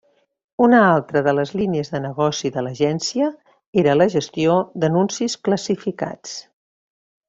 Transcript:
Una altra de les línies de negoci de l'agència era la gestió d'anuncis classificats.